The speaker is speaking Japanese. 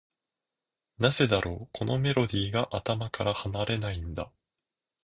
なぜだろう、このメロディーが頭から離れないんだ。